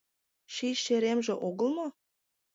Ший шеремже огыл мо?